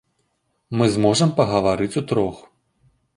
Мы зможам пагаварыць утрох.